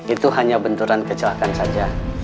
itu hanya benturan kecelakaan saja